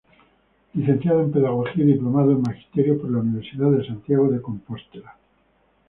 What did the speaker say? Licenciado en Pedagogía y diplomado en Magisterio por la Universidad de Santiago de Compostela.